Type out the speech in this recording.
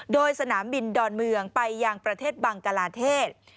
โดยสนามบินดอนเมืองไปยังประเทศบังกลาเทศ